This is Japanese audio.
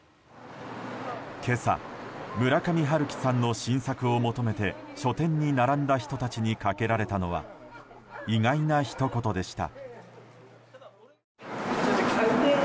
今朝、村上春樹さんの新作を求めて書店に並んだ人たちにかけられたのは意外なひと言でした。